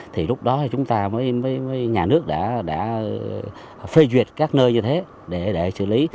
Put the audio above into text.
thì lúc đó chúng ta với nhà nước đã phê duyệt các nơi như thế để xử lý